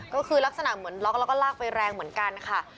ก็คือลักษณะเหมือนล็อกแล้วก็ลากไปแรงเหมือนกันค่ะ